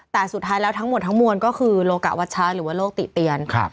แต่สุดท้ายแล้วทั้งหมดทั้งมวลก็คือโลกะวัชชะหรือว่าโลกติเตียน